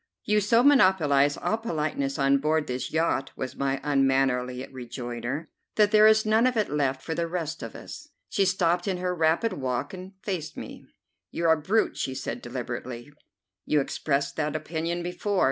"You so monopolize all politeness on board this yacht," was my unmannerly rejoinder, "that there is none of it left for the rest of us." She stopped in her rapid walk and faced me. "You're a brute," she said deliberately. "You expressed that opinion before.